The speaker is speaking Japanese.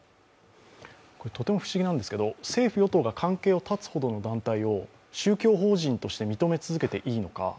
とても不思議なんですけど政府・与党が関係を断つほどの団体を宗教法人として認め続けていいのか。